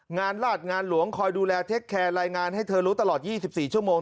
งานราชงานหลวงคอยดูแลรายงานให้เธอรู้ตลอด๒๔ชั่วโมง